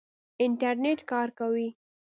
انټرنېټ کار کوي؟